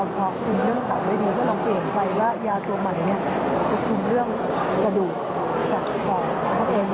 พอคุมเรื่องตับไม่ดีเมื่อเราเปลี่ยนไปว่ายาตัวใหม่จะคุมเรื่องกระดูกปากของตัวเอง